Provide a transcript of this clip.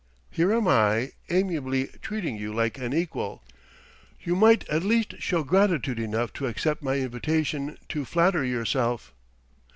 Here am I, amiably treating you like an equal: you might at least show gratitude enough to accept my invitation to flâner yourself!"